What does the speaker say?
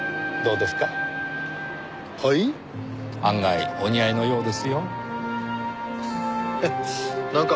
案外お似合いのようですよ。